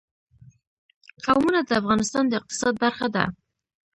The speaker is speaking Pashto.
قومونه د افغانستان د اقتصاد برخه ده.